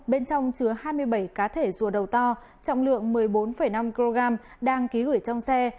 bên trong chứa hai mươi bảy cá thể rùa đầu to trọng lượng một mươi bốn năm kg đang ký gửi trong xe